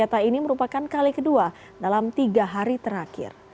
kereta ini merupakan kali kedua dalam tiga hari terakhir